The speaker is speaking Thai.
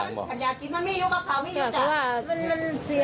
ร้านนี้บอกบอกว่า